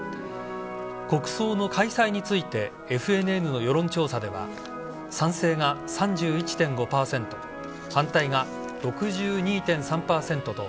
国葬の開催についてＦＮＮの世論調査では賛成が３１．５％反対が６２．３％と